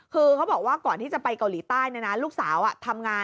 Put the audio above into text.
คือเขาบอกว่าก่อนที่จะไปเกาหลีใต้ลูกสาวทำงาน